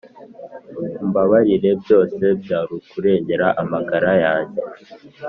umbabarire byose byarukurengera amagara yange.